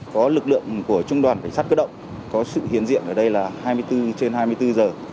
có lực lượng của trung đoàn cảnh sát cơ động có sự hiến diện ở đây là hai mươi bốn trên hai mươi bốn giờ